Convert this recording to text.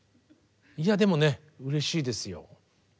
いやでもねうれしいですよ。